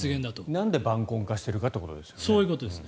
なんで晩婚化しているかということですよね。